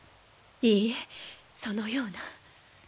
いいえそのような。